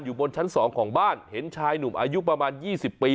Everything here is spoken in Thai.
อยู่บนชั้นสองของบ้านเห็นชายหนุ่มอายุประมาณยี่สิบปี